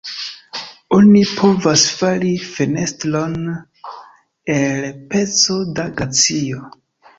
Oni povas fari fenestron el peco da glacio.